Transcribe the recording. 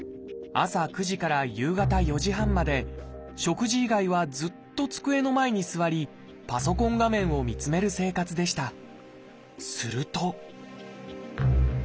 朝９時から夕方４時半まで食事以外はずっと机の前に座りパソコン画面を見つめる生活でした。